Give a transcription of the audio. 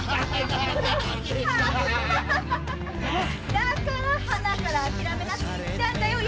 だからハナから諦めなって言ったんだよ。